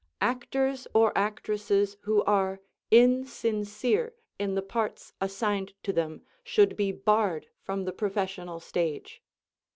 Actors or actresses who are insincere in the parts assigned to them should be barred from the professional stage.